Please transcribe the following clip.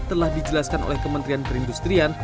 telah dijelaskan oleh kementerian perindustrian